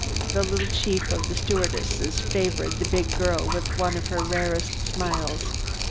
The little chief of the stewardesses favored the big girl with one of her rarest smiles.